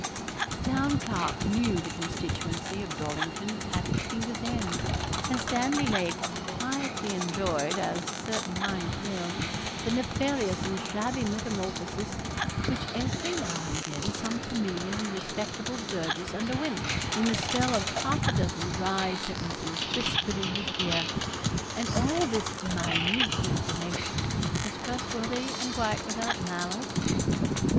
The Town Clerk knew the constituency of Dollington at his fingers' ends; and Stanley Lake quietly enjoyed, as certain minds will, the nefarious and shabby metamorphosis which every now and then some familiar and respectable burgess underwent, in the spell of half a dozen dry sentences whispered in his ear; and all this minute information is trustworthy and quite without malice.